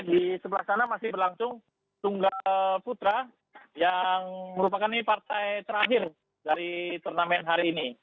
di sebelah sana masih berlangsung tunggal putra yang merupakan ini partai terakhir dari turnamen hari ini